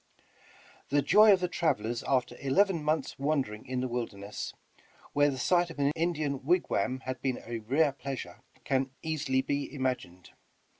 The joy of the travelers after eleven mouths' wander ing in the wilderness, where the sight of an Indian wig wam had been a rare pleasure, can easily be imagined.